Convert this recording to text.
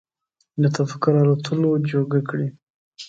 د تفکر الوتلو جوګه کړي